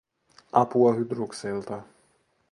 Apua Hydrukselta